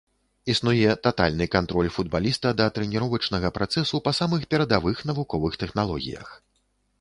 Існуе татальны кантроль футбаліста да трэніровачнага працэсу па самых перадавых навуковых тэхналогіях.